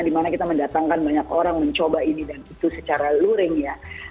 dimana kita mendatangkan banyak orang mencoba ini dan itu secara luring ya